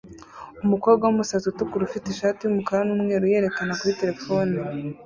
umukobwa wumusatsi utukura ufite ishati yumukara numweru yerekana kuri terefone